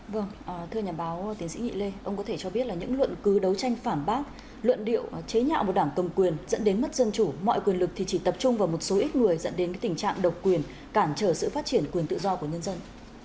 vâng thưa nhà báo tiến sĩ nhị lê ông có thể cho biết là những luận cứ đấu tranh phản bác luận điệu chế nhạo một đảng cầm quyền dẫn đến mất dân chủ mọi quyền lực thì chỉ tập trung vào một số ít người dẫn đến tình trạng độc quyền cản trở sự phát triển quyền tự do của nhân dân